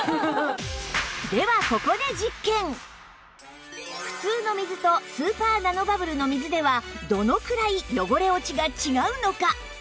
ではここで普通の水とスーパーナノバブルの水ではどのくらい汚れ落ちが違うのか